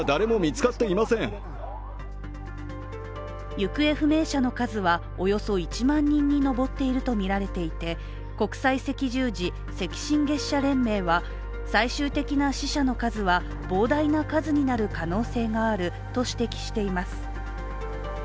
行方不明者の数はおよそ１万人に上っているとみられていて国際赤十字赤新月社連盟は最終的な死者の数は膨大な数になる可能性があると指摘しています。